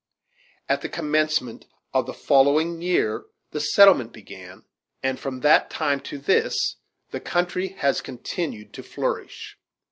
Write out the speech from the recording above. At the commencement of the following year the settlement began; and from that time to this the country has continued to flourish.